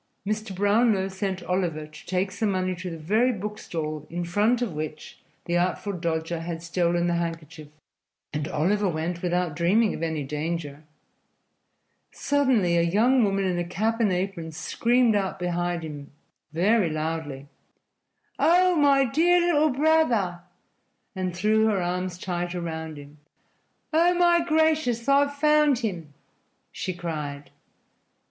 Mr. Brownlow sent Oliver to take some money to the very book stall in front of which the Artful Dodger had stolen the handkerchief, and Oliver went without dreaming of any danger. Suddenly a young woman in a cap and apron screamed out behind him very loudly: "Oh, my dear little brother!" and threw her arms tight around him. "Oh, my gracious, I've found him!" she cried.